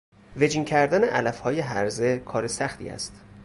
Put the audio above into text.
وجین کردن علفهای هرزه، کار سختی است.